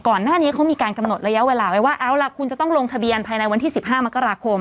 ก่อนหน้านี้เขามีการกำหนดระยะเวลาไว้ว่าเอาล่ะคุณจะต้องลงทะเบียนภายในวันที่๑๕มกราคม